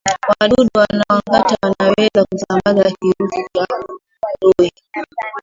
Wadudu wanaongata wanaweza kusambaza kirusi cha ndui